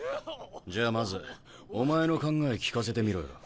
じゃあまずお前の考え聞かせてみろよ。